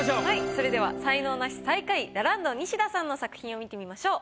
それでは才能ナシ最下位ラランドニシダさんの作品を見てみましょう。